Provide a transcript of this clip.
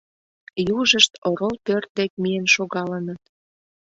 Южышт орол пӧрт дек миен шогалыныт.